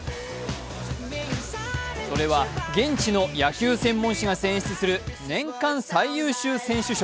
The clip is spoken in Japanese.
それは現地の野球専門誌が選出する年間最優秀選手賞。